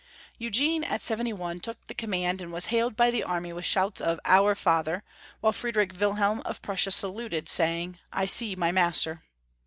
Eugene, at seventy one, took the command, and was hailed by the army with shouts of, " Our father," while Friedrich Wilhelm of Prussia saluted, saying, "I see my master."